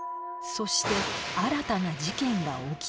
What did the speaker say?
そして新たな事件が起きた